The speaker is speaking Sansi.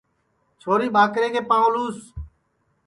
چھوری ٻاکرے پاںٚو لُس